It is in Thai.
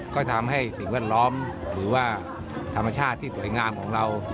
ก็ทำให้สิ่งแวดล้อมหรือว่าธรรมชาติที่สวยงามของเรา